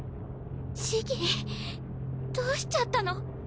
ジギーどうしちゃったの？